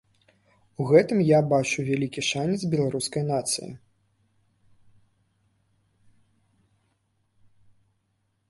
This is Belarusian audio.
У гэтым я бачу вялікі шанец беларускай нацыі.